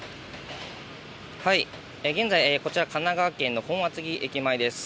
現在、こちら神奈川県の本厚木駅前です。